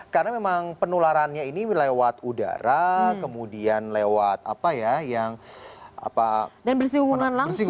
karena memang penularannya ini lewat udara kemudian lewat apa ya yang bersinggungan langsung